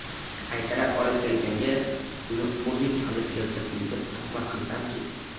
Qaytarib olib kelganga, buni o'zing qilib keltirding deb tuhmat qilsamchi?